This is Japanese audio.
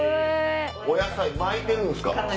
お野菜巻いてるんすか？